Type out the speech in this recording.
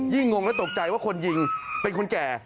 งงและตกใจว่าคนยิงเป็นคนแก่